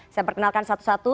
saya perkenalkan satu satu